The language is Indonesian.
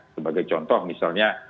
sebagai contoh misalnya